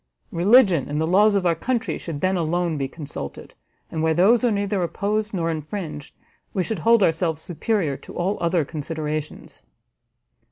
Religion and the laws of our country should then alone be consulted, and where those are neither opposed nor infringed, we should hold ourselves superior to all other considerations."